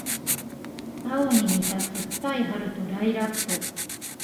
青に似た酸っぱい春とライラック